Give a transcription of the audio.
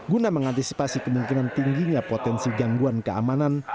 guna mengantisipasi kemungkinan tingginya potensi gangguan keamanan